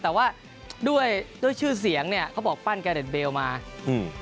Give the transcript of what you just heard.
แต่ว่าด้วยด้วยชื่อเสียงเนี้ยเขาบอกปั้นแกเด็ดเบลมาอืม